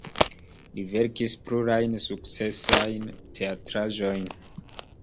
Li verkis plurajn sukcesajn teatraĵojn.